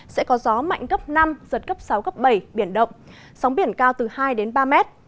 sẽ có gió mạnh cấp năm giật cấp sáu cấp bảy biển động sóng biển cao từ hai đến ba mét